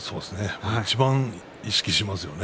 いちばん意識しますよね